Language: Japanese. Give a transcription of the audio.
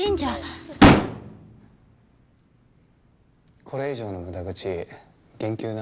これ以上の無駄口減給な？